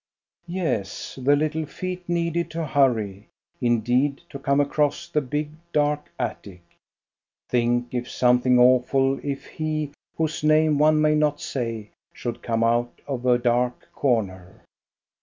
Yes, the little feet needed to hurry, indeed, to come across the big, dark attic. Think if some thing awful, if he, whose name one may not say, should come out of a dark corner!